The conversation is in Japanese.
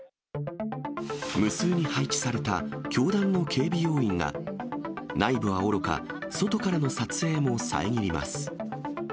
無数に配置された教団の警備要員が、内部はおろか、外からの撮影も遮ります。